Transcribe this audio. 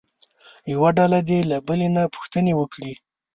یوه ډله دې له بلې نه پوښتنې وکړي.